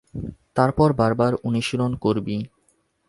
তারপর বারবার অনুশীলন করবি।